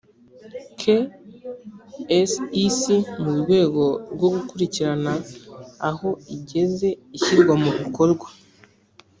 ksec mu rwego rwo gukurikirana aho igeze ishyirwa mu bikorwa